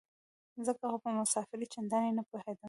ځکه خو په مسافرۍ چندانې نه پوهېدم.